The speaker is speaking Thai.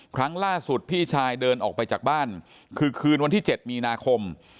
ครั้งล่าสุดพี่ชายเดินออกไปจากบ้านคือคืนวันที่๗มีนาคม